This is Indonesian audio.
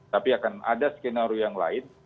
tapi akan ada skenario yang lain